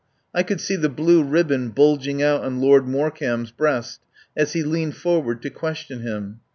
I could see the blue ribbon bulging out on Lord Morecambe's breast as he leaned forward to question him.